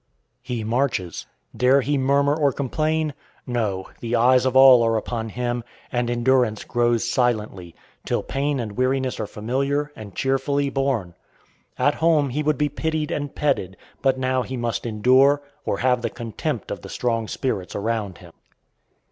He marches. Dare he murmur or complain? No; the eyes of all are upon him, and endurance grows silently, till pain and weariness are familiar, and cheerfully borne. At home he would be pitied and petted; but now he must endure, or have the contempt of the strong spirits around him.